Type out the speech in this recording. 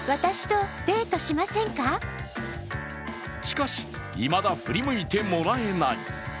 しかし、いまだ振り向いてもらえない。